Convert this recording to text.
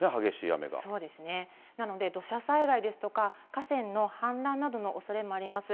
なので、土砂災害ですとか、河川の氾濫などのおそれもあります。